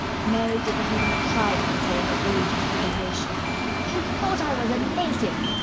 Mary did not even try to control her rage and humiliation. "You thought I was a native!